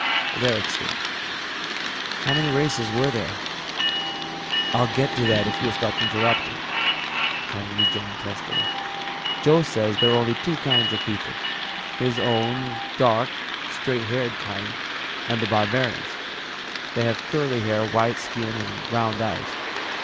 "They're extinct." "How many races were there?" "I'll get to that if you'll stop interrupting," Kung rejoined testily. "Joe says there are only two kinds of people, his own dark, straight haired kind and the barbarians. They have curly hair, white skin and round eyes.